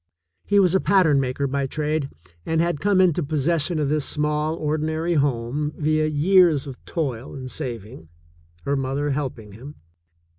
He was a pattern maker by trade, and had come into possession of this small, THE SECOND CHOICE 139 ordinary home via years of toil and saving, her mother helping him.